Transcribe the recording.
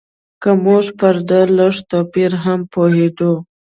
که موږ پر دې لږ توپیر هم پوهېدای.